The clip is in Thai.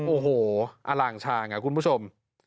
โอ้โหอล่างชาไงคุณผู้ชม